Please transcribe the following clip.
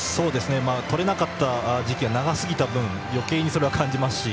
とれなかった時期が長すぎた分余計にそれは感じます。